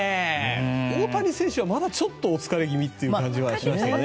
大谷選手はまだちょっとお疲れ気味という感じはしましたね。